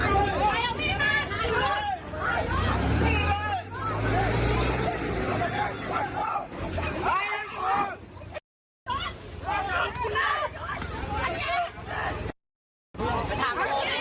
เค้าเริ่มก่อนนะคะเขาทำร้ายอ่านอ๋อถ่ายแล้วกะหน่อย